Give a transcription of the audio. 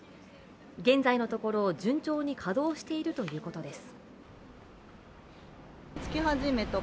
現在のところ順調に稼働しているということです。